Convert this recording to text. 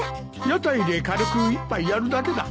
屋台で軽く一杯やるだけだ。